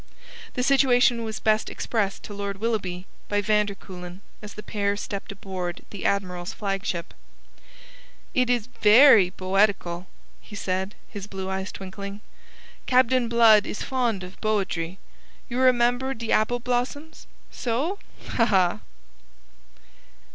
The situation was best expressed to Lord Willoughby by van der Kuylen as the pair stepped aboard the Admiral's flagship. "Id is fery boedigal!" he said, his blue eyes twinkling. "Cabdain Blood is fond of boedry you remember de abble blossoms. So? Ha, ha!"